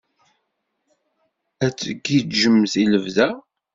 Ad tgiǧǧemt i lebda?